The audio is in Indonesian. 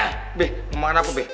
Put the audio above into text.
ah be mau makan apa be